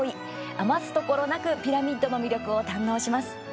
余すところなくピラミッドの魅力を堪能します。